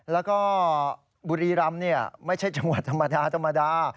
แล้วก็บุรีรำไม่ใช่จังหวัดธรรมดาธรรมดา